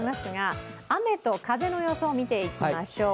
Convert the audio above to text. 雨と風の予想を見ていきましょう。